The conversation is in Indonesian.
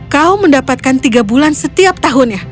kau mendapatkan tiga bulan setiap tahunnya